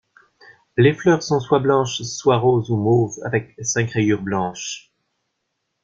Les fleurs sont soit blanches, soit roses ou mauves avec cinq rayures blanches.